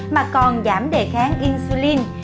mà còn giảm đề kháng insulin